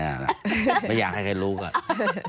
ไม่อยากให้ใครรู้ก่อน